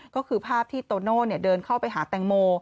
ก็คือภาพที่โตโน่เดินเข้าไปหาแตงโม